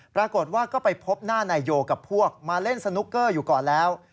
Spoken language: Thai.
ปรากฏว่าก็ไปพบหน้านายโยกับพวกมาเล่นสนุกเกอร์อยู่ก่อนแล้ว